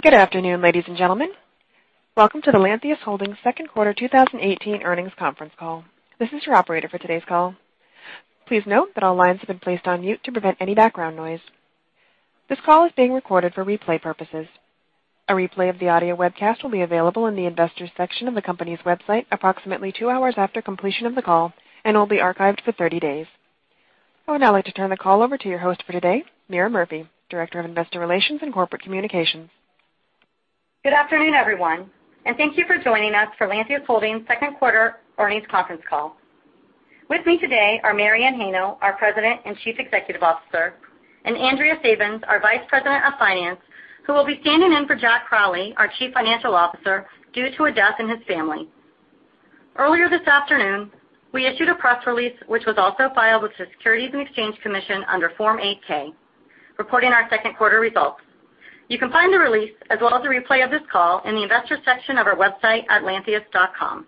Good afternoon, ladies and gentlemen. Welcome to the Lantheus Holdings second quarter 2018 earnings conference call. This is your operator for today's call. Please note that all lines have been placed on mute to prevent any background noise. This call is being recorded for replay purposes. A replay of the audio webcast will be available in the Investors section of the company's website approximately two hours after completion of the call and will be archived for 30 days. I would now like to turn the call over to your host for today, Meara Murphy, Director of Investor Relations and Corporate Communications. Good afternoon, everyone, thank you for joining us for Lantheus Holdings' second quarter earnings conference call. With me today are Mary Anne Heino, our President and Chief Executive Officer, and Andrea Sabens, our Vice President of Finance, who will be standing in for Jack Crowley, our Chief Financial Officer, due to a death in his family. Earlier this afternoon, we issued a press release, which was also filed with the Securities and Exchange Commission under Form 8-K, reporting our second quarter results. You can find the release, as well as a replay of this call, in the Investors section of our website at lantheus.com.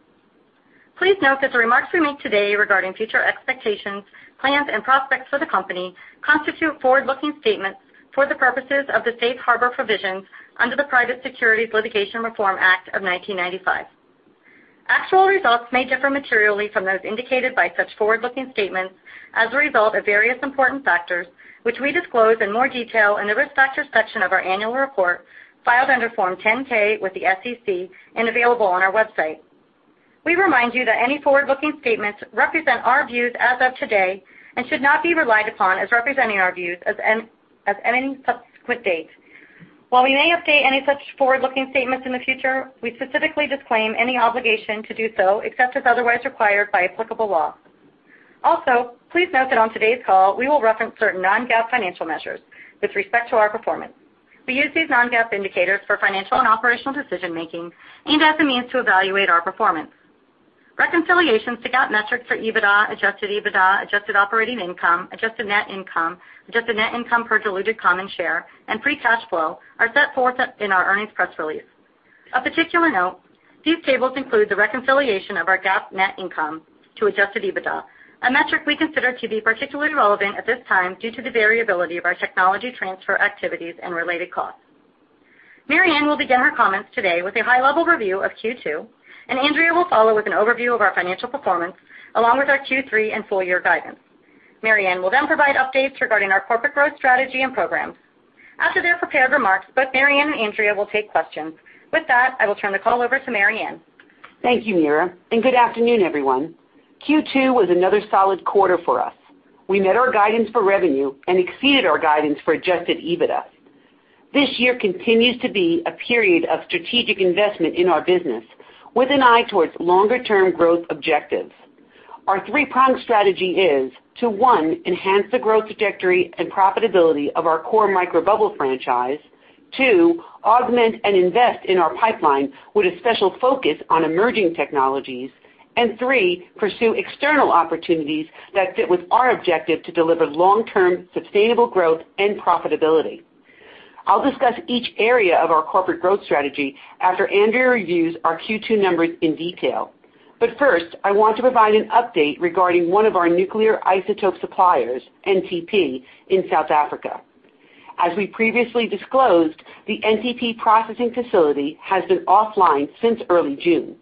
Please note that the remarks we make today regarding future expectations, plans, and prospects for the company constitute forward-looking statements for the purposes of the safe harbor provisions under the Private Securities Litigation Reform Act of 1995. Actual results may differ materially from those indicated by such forward-looking statements as a result of various important factors, which we disclose in more detail in the Risk Factors section of our annual report, filed under Form 10-K with the SEC and available on our website. We remind you that any forward-looking statements represent our views as of today and should not be relied upon as representing our views as of any subsequent date. While we may update any such forward-looking statements in the future, we specifically disclaim any obligation to do so except as otherwise required by applicable law. Also, please note that on today's call, we will reference certain non-GAAP financial measures with respect to our performance. Reconciliations to GAAP metrics for EBITDA, adjusted EBITDA, adjusted operating income, adjusted net income, adjusted net income per diluted common share, and free cash flow are set forth in our earnings press release. Of particular note, these tables include the reconciliation of our GAAP net income to adjusted EBITDA, a metric we consider to be particularly relevant at this time due to the variability of our technology transfer activities and related costs. Mary Anne will begin her comments today with a high-level review of Q2, Andrea will follow with an overview of our financial performance, along with our Q3 and full-year guidance. Mary Anne will then provide updates regarding our corporate growth strategy and programs. After their prepared remarks, both Mary Anne and Andrea will take questions. With that, I will turn the call over to Mary Anne. Thank you, Meara, and good afternoon, everyone. Q2 was another solid quarter for us. We met our guidance for revenue and exceeded our guidance for adjusted EBITDA. This year continues to be a period of strategic investment in our business with an eye towards longer-term growth objectives. Our three-pronged strategy is to, one, enhance the growth trajectory and profitability of our core microbubble franchise. Two, augment and invest in our pipeline with a special focus on emerging technologies. Three, pursue external opportunities that fit with our objective to deliver long-term sustainable growth and profitability. I'll discuss each area of our corporate growth strategy after Andrea reviews our Q2 numbers in detail. First, I want to provide an update regarding one of our nuclear isotope suppliers, NTP, in South Africa. As we previously disclosed, the NTP processing facility has been offline since early June.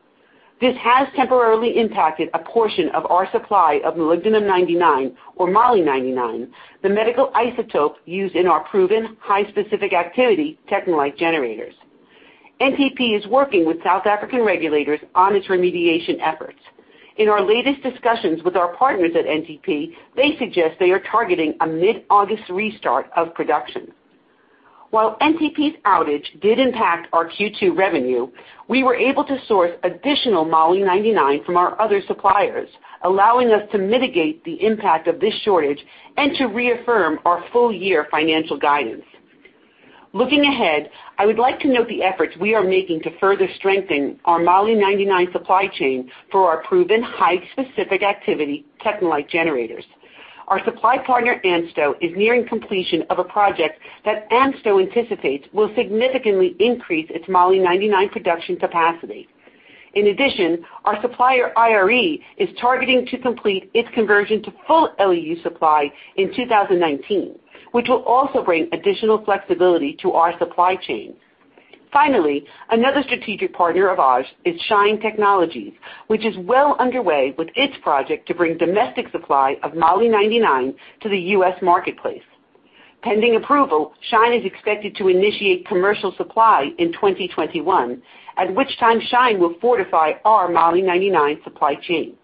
This has temporarily impacted a portion of our supply of molybdenum-99, or Mo-99, the medical isotope used in our proven high specific activity TechneLite generators. NTP is working with South African regulators on its remediation efforts. In our latest discussions with our partners at NTP, they suggest they are targeting a mid-August restart of production. While NTP's outage did impact our Q2 revenue, we were able to source additional Mo-99 from our other suppliers, allowing us to mitigate the impact of this shortage and to reaffirm our full-year financial guidance. Looking ahead, I would like to note the efforts we are making to further strengthen our Mo-99 supply chain for our proven high specific activity TechneLite generators. Our supply partner, ANSTO, is nearing completion of a project that ANSTO anticipates will significantly increase its Mo-99 production capacity. In addition, our supplier, IRE, is targeting to complete its conversion to full LEU supply in 2019, which will also bring additional flexibility to our supply chain. Finally, another strategic partner of ours is SHINE Technologies, which is well underway with its project to bring domestic supply of Mo-99 to the U.S. marketplace. Pending approval, SHINE is expected to initiate commercial supply in 2021, at which time SHINE will fortify our Mo-99 supply chain.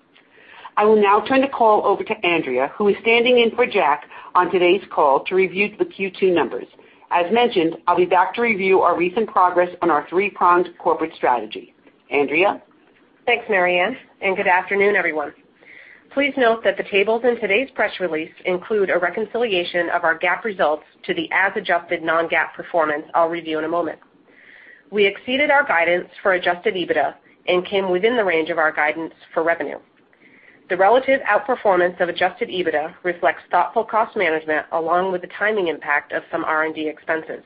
I will now turn the call over to Andrea, who is standing in for Jack on today's call to review the Q2 numbers. As mentioned, I'll be back to review our recent progress on our three-pronged corporate strategy. Andrea? Thanks, Mary Anne, and good afternoon, everyone. Please note that the tables in today's press release include a reconciliation of our GAAP results to the as-adjusted non-GAAP performance I'll review in a moment. We exceeded our guidance for adjusted EBITDA and came within the range of our guidance for revenue. The relative outperformance of adjusted EBITDA reflects thoughtful cost management along with the timing impact of some R&D expenses.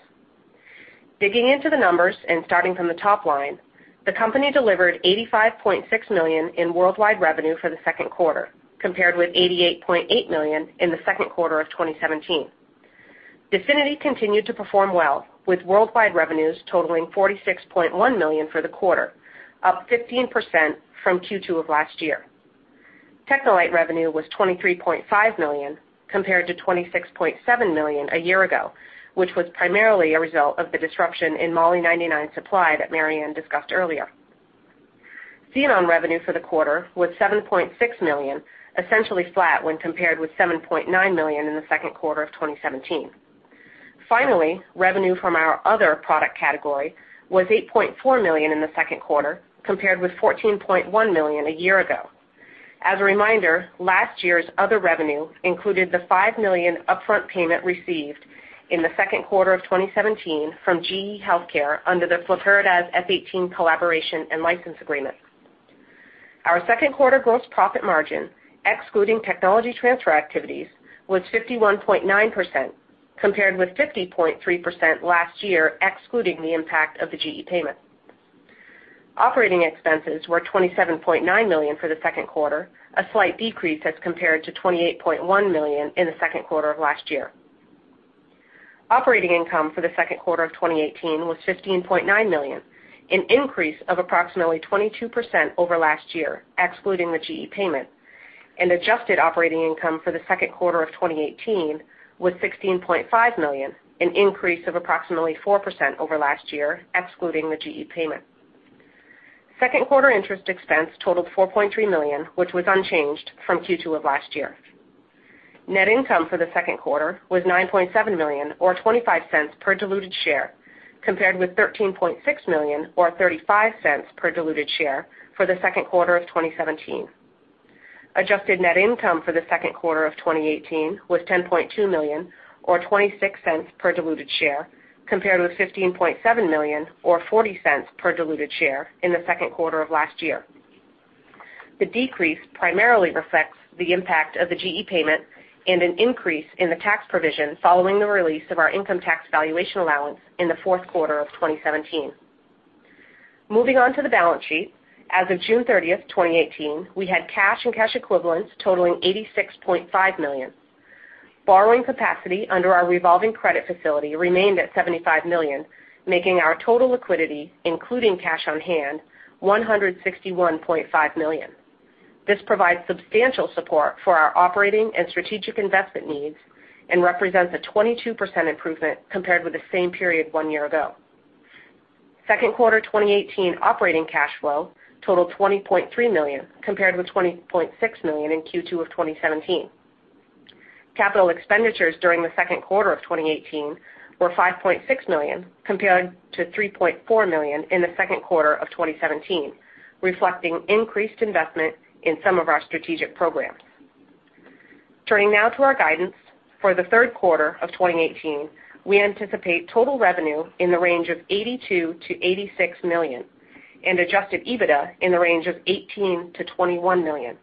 Digging into the numbers and starting from the top line. The company delivered $85.6 million in worldwide revenue for the second quarter, compared with $88.8 million in the second quarter of 2017. DEFINITY continued to perform well, with worldwide revenues totaling $46.1 million for the quarter, up 15% from Q2 of last year. TechneLite revenue was $23.5 million compared to $26.7 million a year ago, which was primarily a result of the disruption in Mo-99 supply that Mary Anne discussed earlier. Xenon revenue for the quarter was $7.6 million, essentially flat when compared with $7.9 million in the second quarter of 2017. Revenue from our other product category was $8.4 million in the second quarter, compared with $14.1 million a year ago. As a reminder, last year's other revenue included the $5 million upfront payment received in the second quarter of 2017 from GE HealthCare under the flurpiridaz F 18 collaboration and license agreement. Our second quarter gross profit margin, excluding technology transfer activities, was 51.9%, compared with 50.3% last year, excluding the impact of the GE payment. Operating expenses were $27.9 million for the second quarter, a slight decrease as compared to $28.1 million in the second quarter of last year. Operating income for the second quarter of 2018 was $15.9 million, an increase of approximately 22% over last year, excluding the GE payment. Adjusted operating income for the second quarter of 2018 was $16.5 million, an increase of approximately 4% over last year, excluding the GE payment. Second quarter interest expense totaled $4.3 million, which was unchanged from Q2 of last year. Net income for the second quarter was $9.7 million or $0.25 per diluted share, compared with $13.6 million or $0.35 per diluted share for the second quarter of 2017. Adjusted net income for the second quarter of 2018 was $10.2 million or $0.26 per diluted share, compared with $15.7 million or $0.40 per diluted share in the second quarter of last year. The decrease primarily reflects the impact of the GE payment and an increase in the tax provision following the release of our income tax valuation allowance in the fourth quarter of 2017. Moving on to the balance sheet. As of June 30th, 2018, we had cash and cash equivalents totaling $86.5 million. Borrowing capacity under our revolving credit facility remained at $75 million, making our total liquidity, including cash on hand, $161.5 million. This provides substantial support for our operating and strategic investment needs and represents a 22% improvement compared with the same period one year ago. Second quarter 2018 operating cash flow totaled $20.3 million, compared with $20.6 million in Q2 of 2017. Capital expenditures during the second quarter of 2018 were $5.6 million, compared to $3.4 million in the second quarter of 2017, reflecting increased investment in some of our strategic programs. Turning now to our guidance. For the third quarter of 2018, we anticipate total revenue in the range of $82 million-$86 million and adjusted EBITDA in the range of $18 million-$21 million.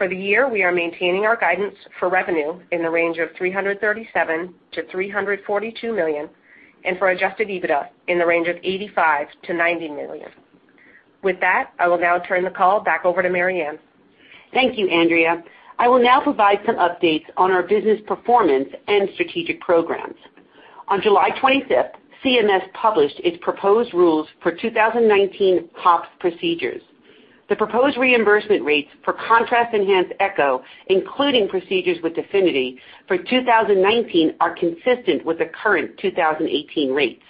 For the year, we are maintaining our guidance for revenue in the range of $337 million-$342 million and for adjusted EBITDA in the range of $85 million-$90 million. With that, I will now turn the call back over to Mary Anne. Thank you, Andrea. I will now provide some updates on our business performance and strategic programs. On July 25th, CMS published its proposed rules for 2019 OPPS procedures. The proposed reimbursement rates for contrast enhanced echo, including procedures with DEFINITY for 2019, are consistent with the current 2018 rates.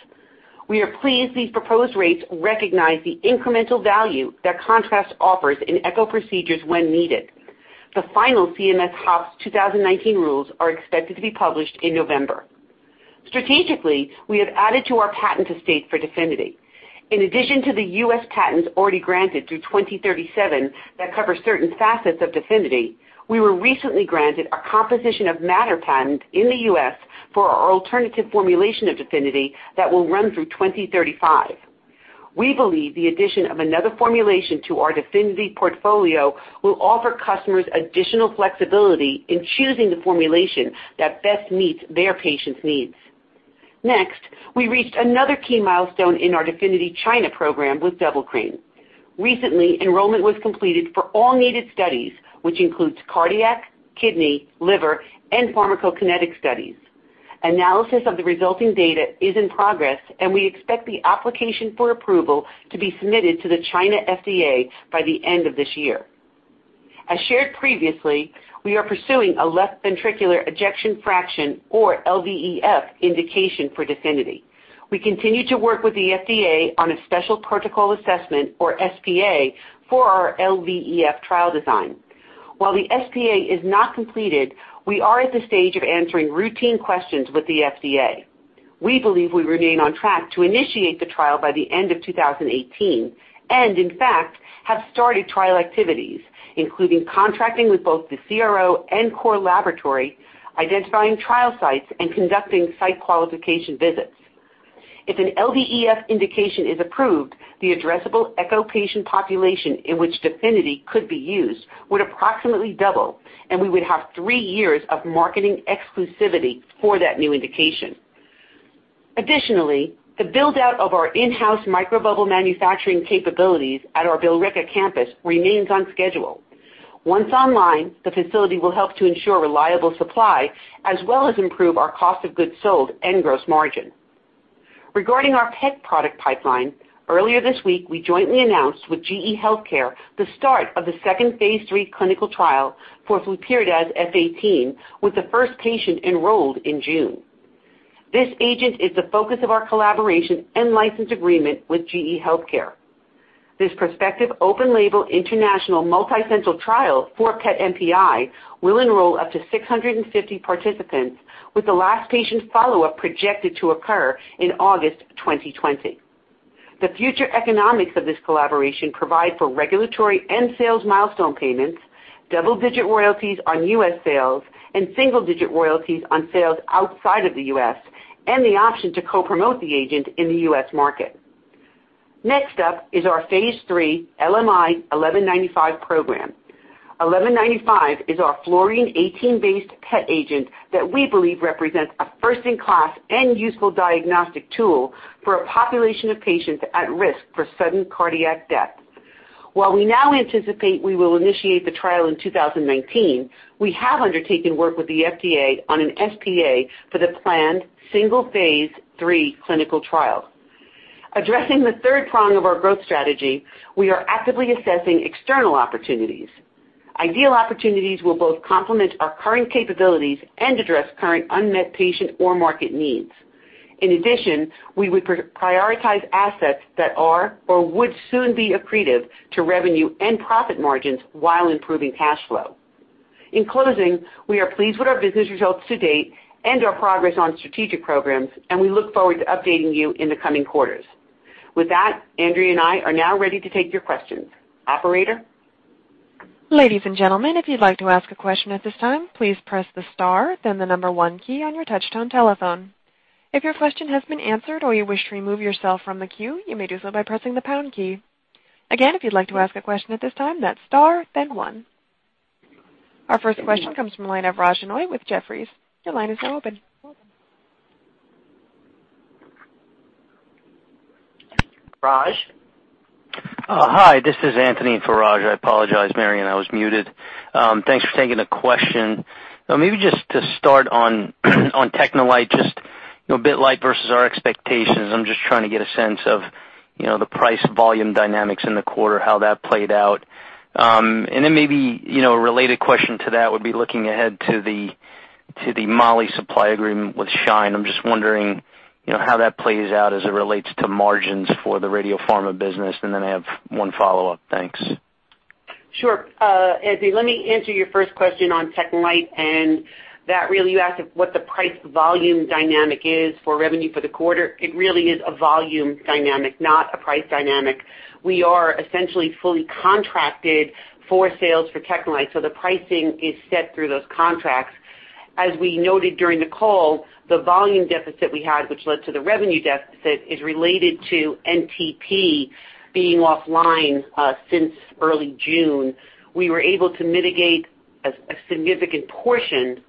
We are pleased these proposed rates recognize the incremental value that contrast offers in echo procedures when needed. The final CMS OPPS 2019 rules are expected to be published in November. Strategically, we have added to our patent estate for DEFINITY. In addition to the U.S. patents already granted through 2037 that cover certain facets of DEFINITY, we were recently granted a composition of matter patent in the U.S. for our alternative formulation of DEFINITY that will run through 2035. We believe the addition of another formulation to our DEFINITY portfolio will offer customers additional flexibility in choosing the formulation that best meets their patients' needs. Next, we reached another key milestone in our DEFINITY China program with Double Crane. Recently, enrollment was completed for all needed studies, which includes cardiac, kidney, liver, and pharmacokinetic studies. Analysis of the resulting data is in progress, and we expect the application for approval to be submitted to the China FDA by the end of this year. As shared previously, we are pursuing a left ventricular ejection fraction or LVEF indication for DEFINITY. We continue to work with the FDA on a special protocol assessment or SPA for our LVEF trial design. While the SPA is not completed, we are at the stage of answering routine questions with the FDA. We believe we remain on track to initiate the trial by the end of 2018 and in fact, have started trial activities, including contracting with both the CRO and core laboratory, identifying trial sites, and conducting site qualification visits. If an LVEF indication is approved, the addressable echo patient population in which DEFINITY could be used would approximately double, and we would have 3 years of marketing exclusivity for that new indication. Additionally, the build-out of our in-house microbubble manufacturing capabilities at our Billerica campus remains on schedule. Once online, the facility will help to ensure reliable supply as well as improve our cost of goods sold and gross margin. Regarding our PET product pipeline, earlier this week, we jointly announced with GE HealthCare the start of the second phase III clinical trial for flurpiridaz F 18, with the first patient enrolled in June. This agent is the focus of our collaboration and license agreement with GE HealthCare. This prospective open-label international multi-center trial for PET MPI will enroll up to 650 participants, with the last patient follow-up projected to occur in August 2020. The future economics of this collaboration provide for regulatory and sales milestone payments, double-digit royalties on U.S. sales, and single-digit royalties on sales outside of the U.S., and the option to co-promote the agent in the U.S. market. Next up is our phase III LMI 1195 program. LMI 1195 is our fluorine-18-based PET agent that we believe represents a first-in-class and useful diagnostic tool for a population of patients at risk for sudden cardiac death. While we now anticipate we will initiate the trial in 2019, we have undertaken work with the FDA on an SPA for the planned single phase III clinical trial. Addressing the third prong of our growth strategy, we are actively assessing external opportunities. Ideal opportunities will both complement our current capabilities and address current unmet patient or market needs. In addition, we would prioritize assets that are or would soon be accretive to revenue and profit margins while improving cash flow. In closing, we are pleased with our business results to date and our progress on strategic programs. We look forward to updating you in the coming quarters. With that, Andrea and I are now ready to take your questions. Operator? Ladies and gentlemen, if you'd like to ask a question at this time, please press the star then the number one key on your touchtone telephone. If your question has been answered or you wish to remove yourself from the queue, you may do so by pressing the pound key. Again, if you'd like to ask a question at this time, that's star then one. Our first question comes from the line of Raj Denhoy with Jefferies. Your line is now open. Raj? Hi, this is Anthony for Raj. I apologize, Mary Anne, I was muted. Thanks for taking the question. Maybe just to start on TechneLite, just bit light versus our expectations. I'm just trying to get a sense of the price-volume dynamics in the quarter, how that played out. Then maybe a related question to that would be looking ahead to the Molly supply agreement with SHINE. I'm just wondering how that plays out as it relates to margins for the radiopharma business. Then I have one follow-up. Thanks. Sure. Anthony, let me answer your first question on TechneLite, that really you asked what the price-volume dynamic is for revenue for the quarter. It really is a volume dynamic, not a price dynamic. We are essentially fully contracted for sales for TechneLite, so the pricing is set through those contracts. As we noted during the call, the volume deficit we had, which led to the revenue deficit, is related to NTP being offline since early June. We were able to mitigate a significant portion of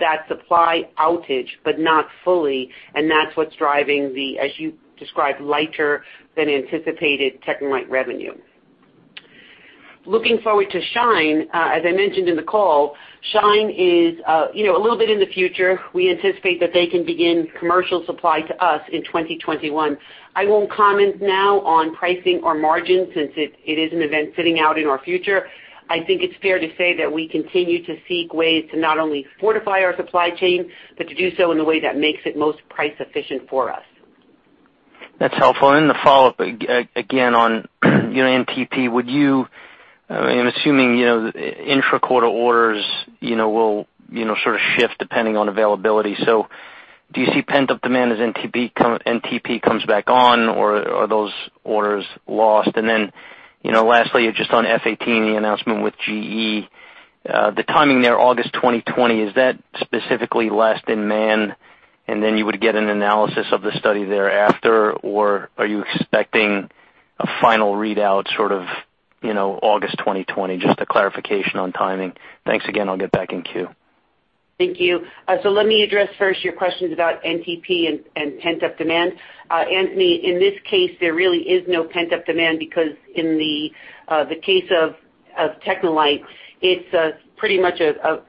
that supply outage, but not fully. That's what's driving the, as you described, lighter than anticipated TechneLite revenue. Looking forward to SHINE, as I mentioned in the call, SHINE is a little bit in the future. We anticipate that they can begin commercial supply to us in 2021. I won't comment now on pricing or margin since it is an event sitting out in our future. I think it's fair to say that we continue to seek ways to not only fortify our supply chain, but to do so in a way that makes it most price efficient for us. That's helpful. The follow-up, again, on NTP, I'm assuming intra-quarter orders will sort of shift depending on availability. Do you see pent-up demand as NTP comes back on, or are those orders lost? Lastly, just on F 18 and the announcement with GE. The timing there, August 2020, is that specifically last patient in, and then you would get an analysis of the study thereafter? Or are you expecting a final readout sort of August 2020? Just a clarification on timing. Thanks again. I'll get back in queue. Thank you. Let me address first your questions about NTP and pent-up demand. Anthony, in this case, there really is no pent-up demand because in the case of TechneLite, it's pretty much a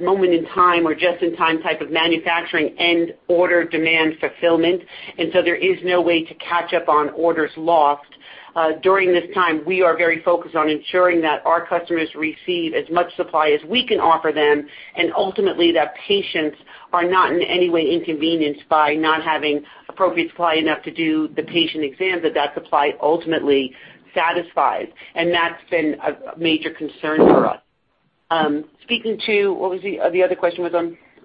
moment in time or just-in-time type of manufacturing and order demand fulfillment, there is no way to catch up on orders lost. During this time, we are very focused on ensuring that our customers receive as much supply as we can offer them, and ultimately that patients are not in any way inconvenienced by not having appropriate supply enough to do the patient exam that that supply ultimately satisfies. That's been a major concern for us. The other question was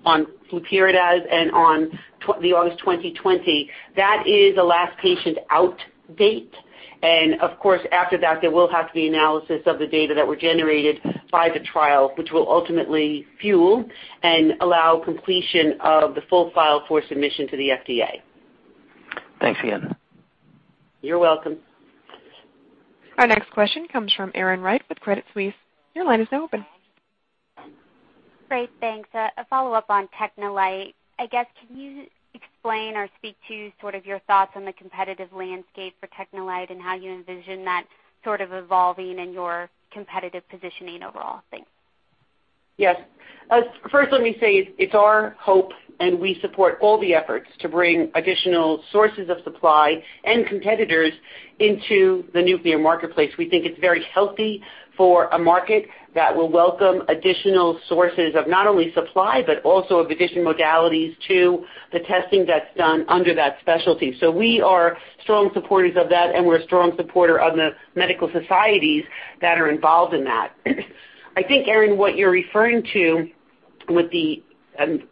on flurpiridaz and on the August 2020. That is a last patient out date. Of course, after that, there will have to be analysis of the data that were generated by the trial, which will ultimately fuel and allow completion of the full file for submission to the FDA. Thanks again. You're welcome. Our next question comes from Erin Wright with Credit Suisse. Your line is now open Great. Thanks. A follow-up on TechneLite. Can you explain or speak to your thoughts on the competitive landscape for TechneLite and how you envision that evolving and your competitive positioning overall? Thanks. Yes. First, let me say it's our hope, and we support all the efforts to bring additional sources of supply and competitors into the nuclear marketplace. We think it's very healthy for a market that will welcome additional sources of not only supply, but also of additional modalities to the testing that's done under that specialty. We are strong supporters of that, and we're a strong supporter of the medical societies that are involved in that. I think, Erin, what you're referring to with the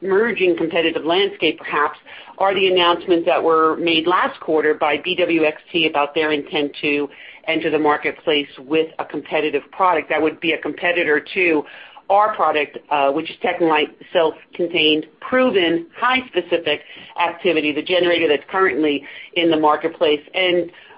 emerging competitive landscape perhaps are the announcements that were made last quarter by BWXT about their intent to enter the marketplace with a competitive product that would be a competitor to our product, which is TechneLite self-contained, proven high specific activity, the generator that's currently in the marketplace.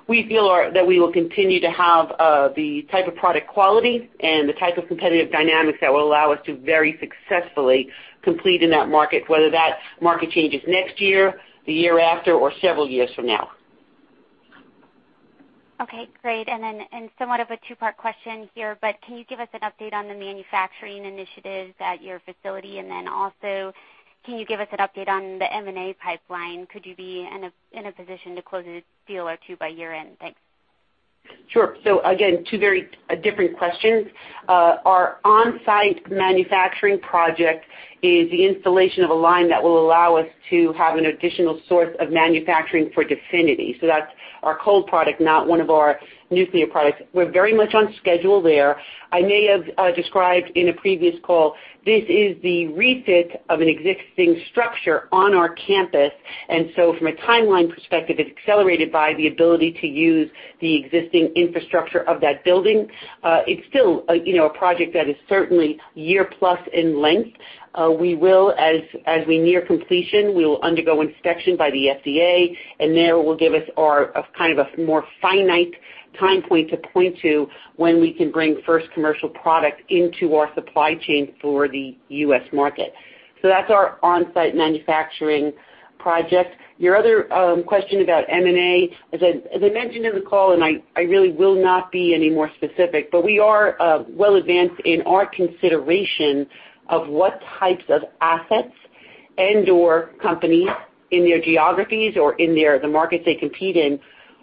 We feel that we will continue to have the type of product quality and the type of competitive dynamics that will allow us to very successfully compete in that market, whether that market change is next year, the year after or several years from now. Okay, great. Somewhat of a two-part question here, but can you give us an update on the manufacturing initiatives at your facility? Also, can you give us an update on the M&A pipeline? Could you be in a position to close a deal or two by year-end? Thanks. Sure. Again, two very different questions. Our on-site manufacturing project is the installation of a line that will allow us to have an additional source of manufacturing for DEFINITY. That's our cold product, not one of our nuclear products. We're very much on schedule there. I may have described in a previous call, this is the refit of an existing structure on our campus, and so from a timeline perspective, it's accelerated by the ability to use the existing infrastructure of that building. It's still a project that is certainly year plus in length. As we near completion, we will undergo inspection by the FDA, and they will give us a kind of more finite time point to point to when we can bring first commercial product into our supply chain for the U.S. market. That's our on-site manufacturing project. Your other question about M&A, as I mentioned in the call, I really will not be any more specific, but we are well advanced in our consideration of what types of assets and/or companies in their geographies or in the markets they compete in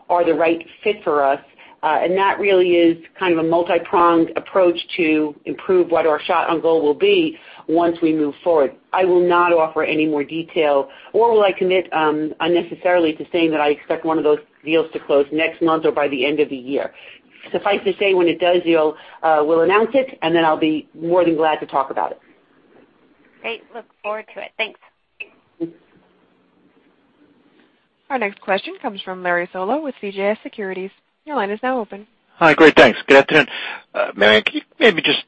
are the right fit for us. That really is kind of a multi-pronged approach to improve what our shot on goal will be once we move forward. I will not offer any more detail or will I commit unnecessarily to saying that I expect one of those deals to close next month or by the end of the year. Suffice to say, when it does, we'll announce it, then I'll be more than glad to talk about it. Great. Look forward to it. Thanks. Our next question comes from Larry Solow with CJS Securities. Your line is now open. Hi. Great, thanks. Good afternoon. Mary, can you maybe just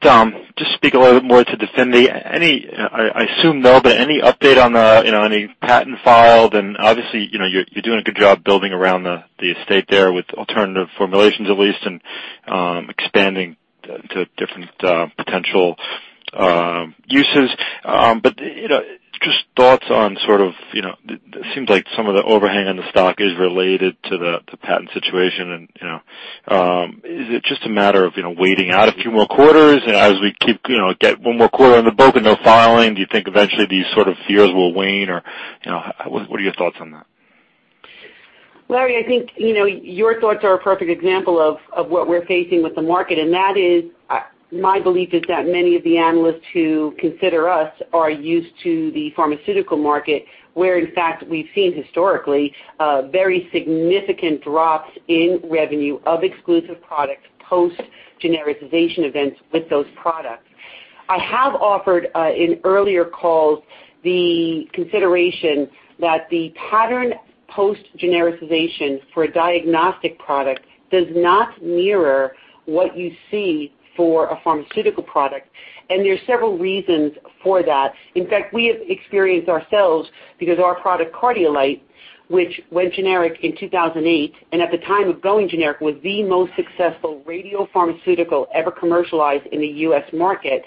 speak a little bit more to DEFINITY. I assume, though, that any update on any patent filed, obviously, you're doing a good job building around the estate there with alternative formulations at least, expanding to different potential uses. Just thoughts on sort of, it seems like some of the overhang on the stock is related to the patent situation and is it just a matter of waiting out a few more quarters as we get one more quarter on the book and no filing? Do you think eventually these sort of fears will wane? Or what are your thoughts on that? Larry, I think your thoughts are a perfect example of what we're facing with the market. That is my belief is that many of the analysts who consider us are used to the pharmaceutical market, where in fact, we've seen historically very significant drops in revenue of exclusive products, post-genericization events with those products. I have offered in earlier calls the consideration that the pattern post-genericization for a diagnostic product does not mirror what you see for a pharmaceutical product, and there's several reasons for that. In fact, we have experienced ourselves because our product Cardiolite, which went generic in 2008, and at the time of going generic, was the most successful radiopharmaceutical ever commercialized in the U.S. market,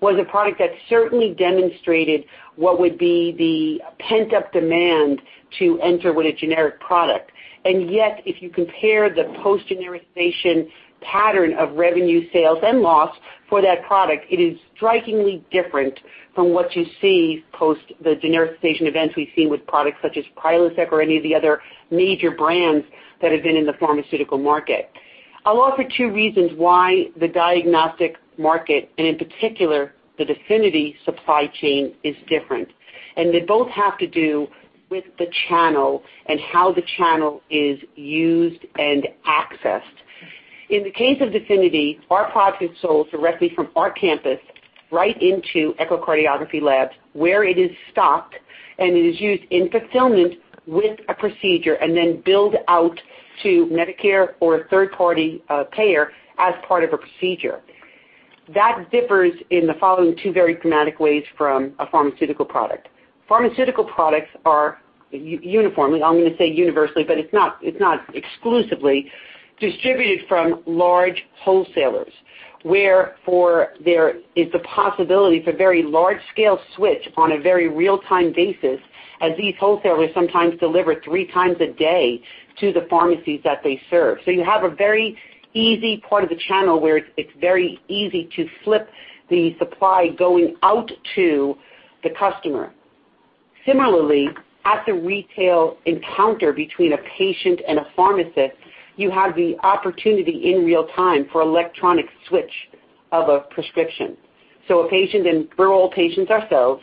was a product that certainly demonstrated what would be the pent-up demand to enter with a generic product. Yet, if you compare the post-genericization pattern of revenue sales and loss for that product, it is strikingly different from what you see post the genericization events we've seen with products such as Prilosec or any of the other major brands that have been in the pharmaceutical market. I'll offer two reasons why the diagnostic market, and in particular the DEFINITY supply chain, is different. They both have to do with the channel and how the channel is used and accessed. In the case of DEFINITY, our product is sold directly from our campus right into echocardiography labs where it is stocked and it is used in fulfillment with a procedure and then billed out to Medicare or a third-party payer as part of a procedure. That differs in the following two very dramatic ways from a pharmaceutical product. Pharmaceutical products are uniformly, I'm going to say universally, but it's not exclusively distributed from large wholesalers. Where there is a possibility for very large-scale switch on a very real-time basis, as these wholesalers sometimes deliver three times a day to the pharmacies that they serve. You have a very easy part of the channel where it's very easy to flip the supply going out to the customer. Similarly, at the retail encounter between a patient and a pharmacist, you have the opportunity in real-time for electronic switch of a prescription. A patient, and we're all patients ourselves,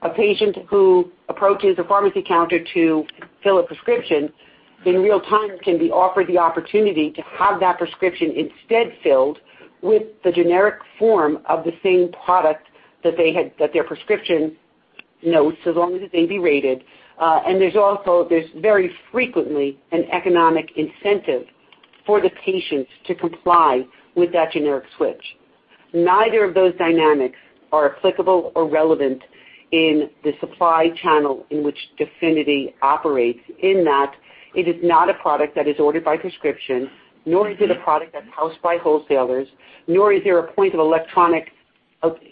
a patient who approaches a pharmacy counter to fill a prescription, in real time can be offered the opportunity to have that prescription instead filled with the generic form of the same product that their prescription notes, as long as it may be rated. There's also, very frequently, an economic incentive for the patients to comply with that generic switch. Neither of those dynamics are applicable or relevant in the supply channel in which DEFINITY operates, in that it is not a product that is ordered by prescription, nor is it a product that's housed by wholesalers, nor is there a point of electronic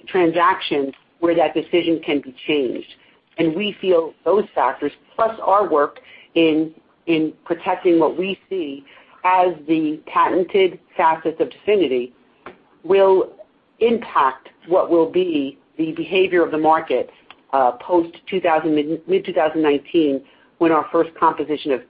transaction where that decision can be changed. We feel those factors, plus our work in protecting what we see as the patented facets of DEFINITY, will impact what will be the behavior of the market post mid-2019, when our first composition of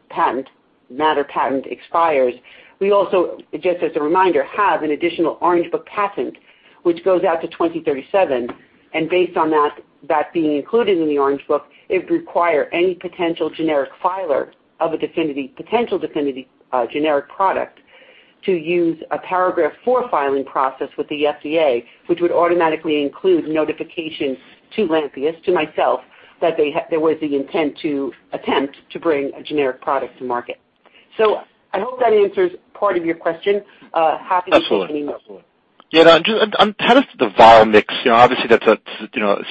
matter patent expires. We also, just as a reminder, have an additional Orange Book patent which goes out to 2037, and based on that being included in the Orange Book, it would require any potential generic filer of a potential DEFINITY generic product to use a Paragraph IV filing process with the FDA, which would automatically include notification to Lantheus, to myself, that there was the intent to attempt to bring a generic product to market. I hope that answers part of your question. Happy to take any. Absolutely. Yeah, how does the VIALMIX, obviously that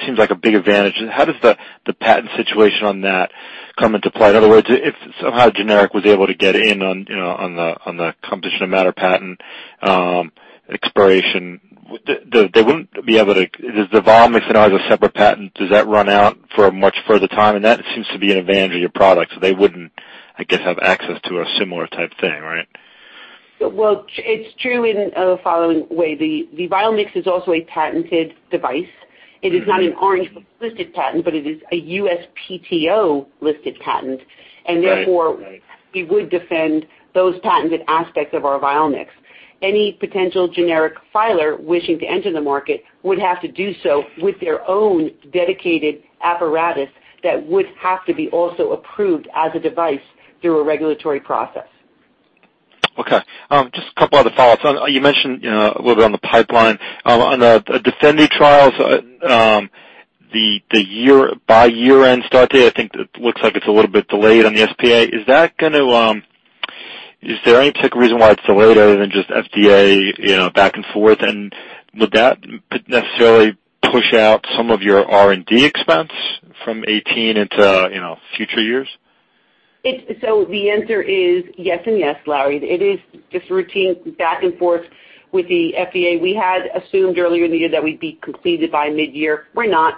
seems like a big advantage. How does the patent situation on that come into play? In other words, if somehow generic was able to get in on the composition of matter patent expiration, does the VIALMIX now has a separate patent? Does that run out for a much further time? That seems to be an advantage of your product, so they wouldn't, I guess, have access to a similar type thing, right? Well, it's true in the following way. The VIALMIX is also a patented device. It is not an Orange Book-listed patent, but it is a USPTO-listed patent. Right We would defend those patented aspects of our VIALMIX. Any potential generic filer wishing to enter the market would have to do so with their own dedicated apparatus that would have to be also approved as a device through a regulatory process. Okay. Just a couple other follow-ups. You mentioned a little bit on the pipeline. On the DEFINITY trials, the by year-end start date, I think it looks like it's a little bit delayed on the SPA. Is there any particular reason why it's delayed other than just FDA back and forth? Would that necessarily push out some of your R&D expense from 2018 into future years? The answer is yes and yes, Larry. It is just routine back and forth with the FDA. We had assumed earlier in the year that we'd be completed by mid-year. We're not.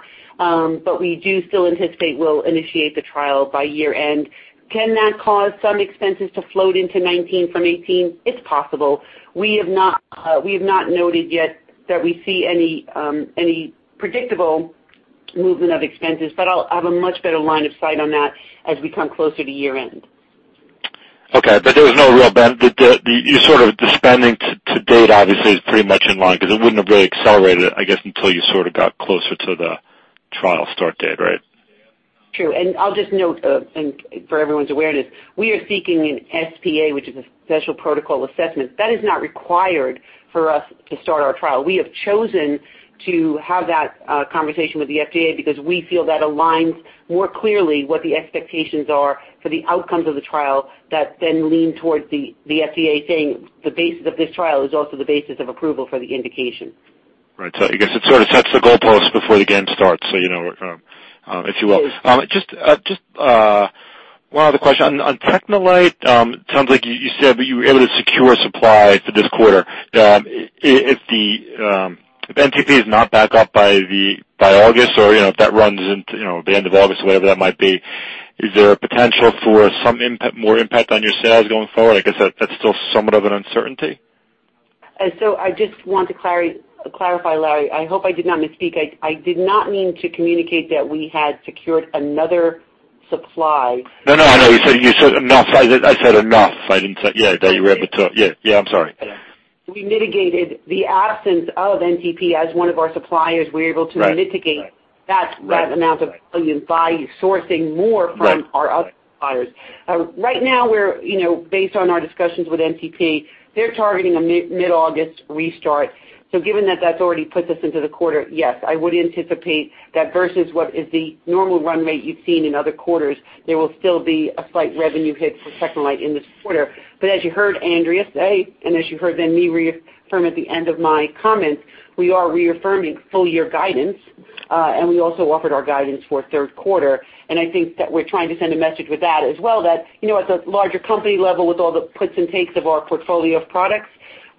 We do still anticipate we'll initiate the trial by year-end. Can that cause some expenses to float into 2019 from 2018? It's possible. We have not noted yet that we see any predictable movement of expenses, but I'll have a much better line of sight on that as we come closer to year-end. Okay. There was no real bend. The spending to date obviously is pretty much in line, because it wouldn't have really accelerated, I guess, until you sort of got closer to the trial start date, right? True. I'll just note, and for everyone's awareness, we are seeking an SPA, which is a special protocol assessment. That is not required for us to start our trial. We have chosen to have that conversation with the FDA because we feel that aligns more clearly what the expectations are for the outcomes of the trial that then lean towards the FDA saying the basis of this trial is also the basis of approval for the indication. Right. I guess it sort of sets the goalposts before the game starts, if you will. It is. Just one other question. On TechneLite, it sounds like you said that you were able to secure supply for this quarter. If NTP is not back up by August or if that runs into the end of August, whatever that might be, is there a potential for some more impact on your sales going forward? I guess that's still somewhat of an uncertainty. I just want to clarify, Larry. I hope I did not misspeak. I did not mean to communicate that we had secured another supply. No, I know. You said enough. I said enough. You were able to Yeah, I'm sorry. We mitigated the absence of NTP as one of our suppliers. We were able to mitigate Right that amount of volume by sourcing more from our other suppliers. Right now, based on our discussions with NTP, they're targeting a mid-August restart. Given that that already puts us into the quarter, yes, I would anticipate that versus what is the normal run rate you've seen in other quarters, there will still be a slight revenue hit for TechneLite in this quarter. As you heard Andrea say, and as you heard then me reaffirm at the end of my comments, we are reaffirming full-year guidance. We also offered our guidance for third quarter. I think that we're trying to send a message with that as well, that at the larger company level, with all the puts and takes of our portfolio of products,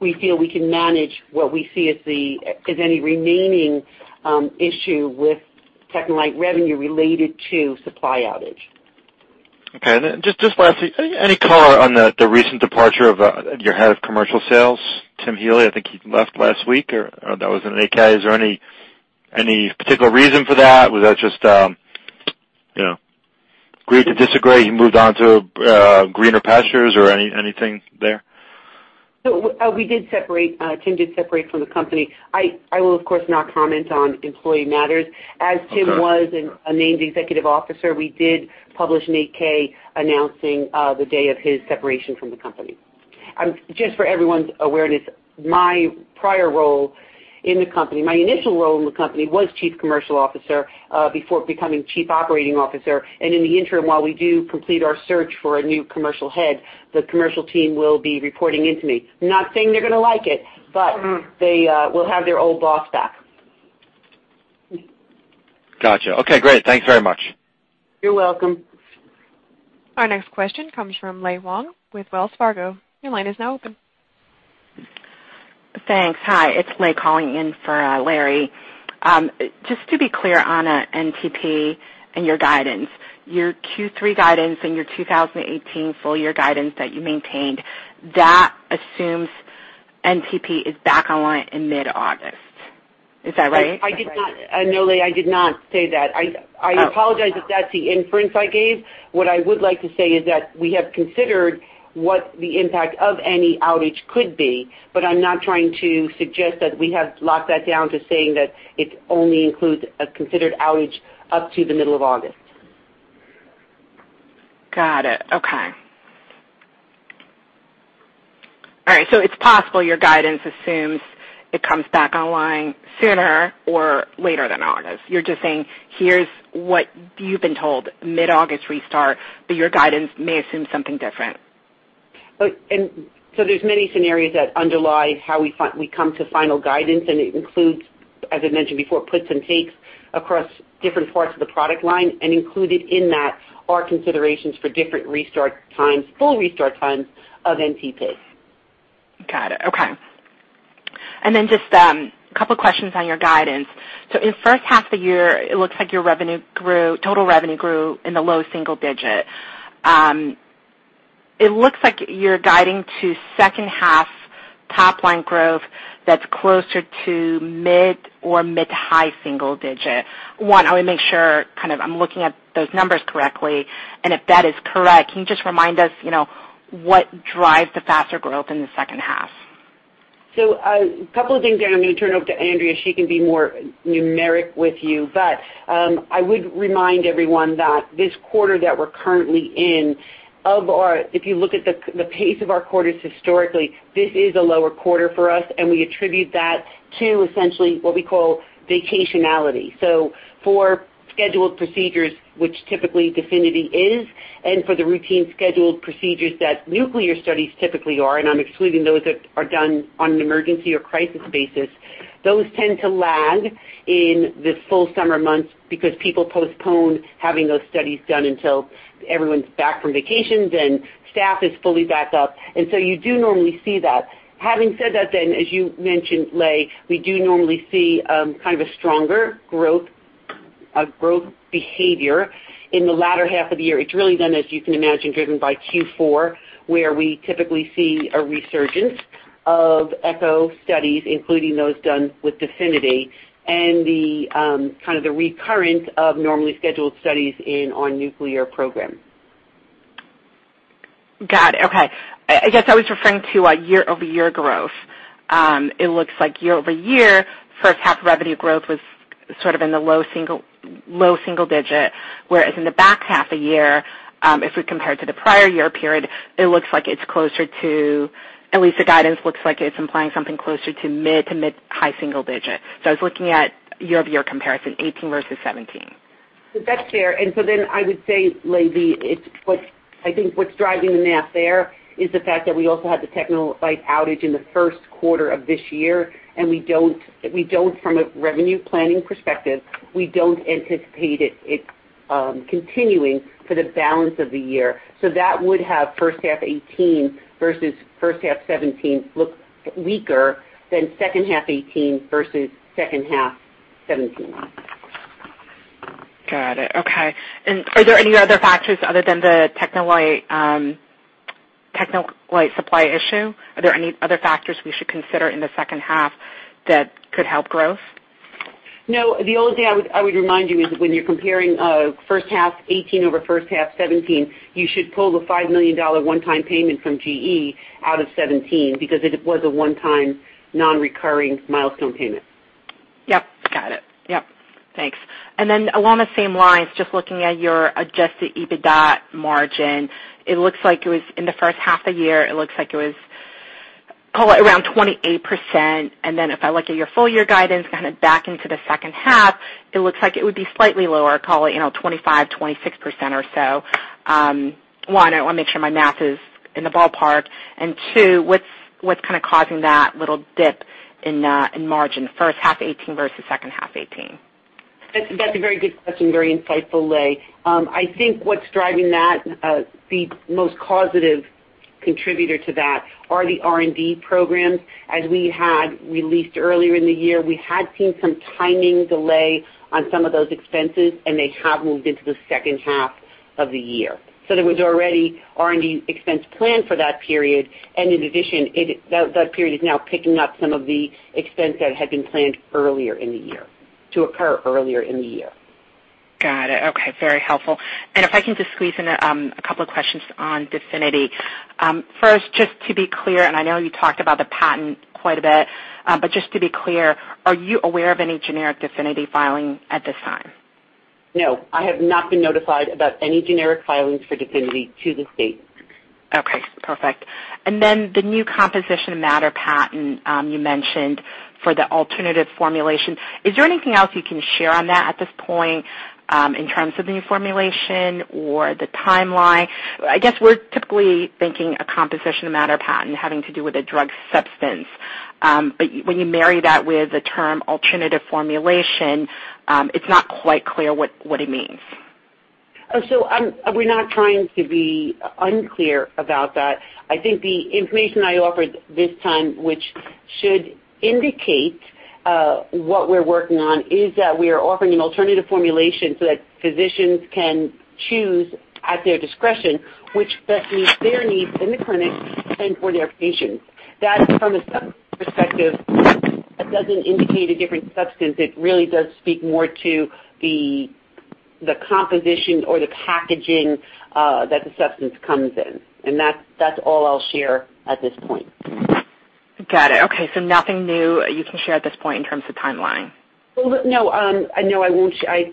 we feel we can manage what we see as any remaining issue with TechneLite revenue related to supply outage. Okay. Then just lastly, any color on the recent departure of your head of commercial sales, Timothy Healey? I think he left last week, or that was in 8-K. Is there any particular reason for that? Was that just agree to disagree, he moved on to greener pastures or anything there? Tim did separate from the company. I will, of course, not comment on employee matters. Okay. Sure. As Tim was a named executive officer, we did publish an 8-K announcing the day of his separation from the company. Just for everyone's awareness, my prior role in the company, my initial role in the company was chief commercial officer, before becoming chief operating officer. In the interim, while we do complete our search for a new commercial head, the commercial team will be reporting in to me. Not saying they're going to like it, but. They will have their old boss back. Got you. Okay, great. Thanks very much. You're welcome. Our next question comes from Lei Huang with Wells Fargo. Your line is now open. Thanks. Hi, it's Lei calling in for Larry. Just to be clear on NTP and your guidance, your Q3 guidance and your 2018 full year guidance that you maintained, that assumes NTP is back online in mid-August. Is that right? No, Lei, I did not say that. Oh, okay. I apologize if that's the inference I gave. What I would like to say is that we have considered what the impact of any outage could be, but I'm not trying to suggest that we have locked that down to saying that it only includes a considered outage up to the middle of August. Got it. Okay. All right. It's possible your guidance assumes it comes back online sooner or later than August. You're just saying, "Here's what you've been told, mid-August restart," but your guidance may assume something different. There's many scenarios that underlie how we come to final guidance, and it includes, as I mentioned before, puts and takes across different parts of the product line, and included in that are considerations for different restart times, full restart times of NTPs. Got it. Okay. Just a couple questions on your guidance. In first half of the year, it looks like your total revenue grew in the low single digit. It looks like you're guiding to second half top-line growth that's closer to mid or mid to high single digit. One, I want to make sure I'm looking at those numbers correctly. If that is correct, can you just remind us what drives the faster growth in the second half? A couple of things there. I'm going to turn it over to Andrea. She can be more numeric with you. I would remind everyone that this quarter that we're currently in, if you look at the pace of our quarters historically, this is a lower quarter for us, and we attribute that to essentially what we call vacationality. For scheduled procedures, which typically DEFINITY is, and for the routine scheduled procedures that nuclear studies typically are, and I'm excluding those that are done on an emergency or crisis basis, those tend to lag in the full summer months because people postpone having those studies done until everyone's back from vacations and staff is fully back up. You do normally see that. Having said that then, as you mentioned, Lei, we do normally see kind of a stronger growth behavior in the latter half of the year. It's really then, as you can imagine, driven by Q4, where we typically see a resurgence of echo studies, including those done with DEFINITY and the recurrent of normally scheduled studies in our nuclear program. Got it. Okay. I guess I was referring to a year-over-year growth. It looks like year-over-year, first half revenue growth was sort of in the low single digit, whereas in the back half of the year, if we compare to the prior year period, it looks like it is at least the guidance looks like it is implying something closer to mid to mid-high single digit. I was looking at year-over-year comparison, 2018 versus 2017. That's fair. I would say, Lei, I think what is driving the math there is the fact that we also had the TechneLite outage in the first quarter of this year, and from a revenue planning perspective, we do not anticipate it continuing for the balance of the year. That would have first half 2018 versus first half 2017 look weaker than second half 2018 versus second half 2017. Got it. Okay. Are there any other factors other than the TechneLite supply issue? Are there any other factors we should consider in the second half that could help growth? No, the only thing I would remind you is that when you are comparing first half 2018 over first half 2017, you should pull the $5 million one-time payment from GE out of 2017 because it was a one-time non-recurring milestone payment. Yep. Got it. Yep. Thanks. Along the same lines, just looking at your adjusted EBITDA margin, it looks like it was in the first half of the year, it looks like it was around 28%. If I look at your full year guidance, kind of back into the second half, it looks like it would be slightly lower, call it 25%-26% or so. One, I want to make sure my math is in the ballpark. Two, what's causing that little dip in margin first half 2018 versus second half 2018? That's a very good question, very insightful, Lei. I think what's driving that, the most causative contributor to that are the R&D programs. As we had released earlier in the year, we had seen some timing delay on some of those expenses, and they have moved into the second half of the year. There was already R&D expense planned for that period, and in addition, that period is now picking up some of the expense that had been planned to occur earlier in the year. Got it. Okay. Very helpful. If I can just squeeze in a couple of questions on DEFINITY. First, just to be clear, and I know you talked about the patent quite a bit, but just to be clear, are you aware of any generic DEFINITY filing at this time? No, I have not been notified about any generic filings for DEFINITY to this date. Okay, perfect. The new composition matter patent you mentioned for the alternative formulation. Is there anything else you can share on that at this point, in terms of the new formulation or the timeline? I guess we're typically thinking a composition of matter patent having to do with a drug substance. When you marry that with the term alternative formulation, it's not quite clear what it means. We're not trying to be unclear about that. I think the information I offered this time, which should indicate what we're working on, is that we are offering an alternative formulation so that physicians can choose at their discretion which best meets their needs in the clinic and for their patients. That from a substance perspective, that doesn't indicate a different substance. It really does speak more to the composition or the packaging that the substance comes in. That's all I'll share at this point. Got it. Nothing new you can share at this point in terms of timeline? No, I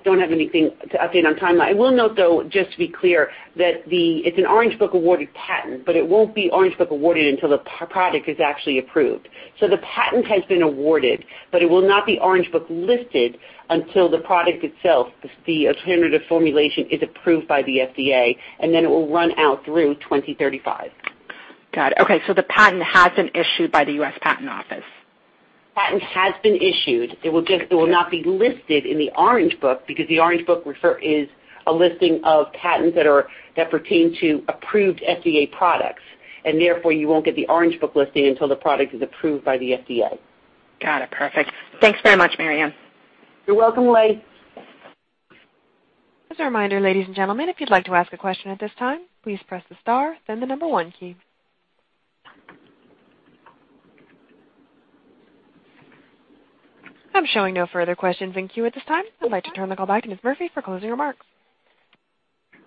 don't have anything to update on timeline. I will note, though, just to be clear, that it's an Orange Book awarded patent, but it won't be Orange Book awarded until the product is actually approved. The patent has been awarded, but it will not be Orange Book listed until the product itself, the alternative formulation, is approved by the FDA, and then it will run out through 2035. Got it. Okay, the patent has been issued by the U.S. Patent Office? Patent has been issued. It will not be listed in the Orange Book because the Orange Book is a listing of patents that pertain to approved FDA products, therefore, you won't get the Orange Book listing until the product is approved by the FDA. Got it. Perfect. Thanks very much, Mary Anne. You're welcome, Lei. As a reminder, ladies and gentlemen, if you'd like to ask a question at this time, please press the star, then the number one key. I'm showing no further questions in queue at this time. I'd like to turn the call back to Ms. Murphy for closing remarks.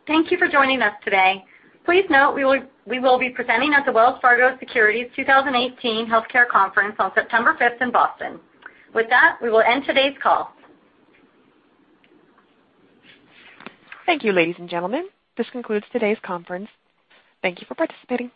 Thank you for joining us today. Please note we will be presenting at the Wells Fargo Securities 2018 Healthcare Conference on September fifth in Boston. With that, we will end today's call. Thank you, ladies and gentlemen. This concludes today's conference. Thank you for participating.